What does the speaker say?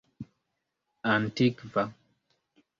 antikva